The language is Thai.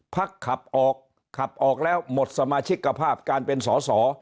ขับออกขับออกแล้วหมดสมาชิกภาพการเป็นสอสอ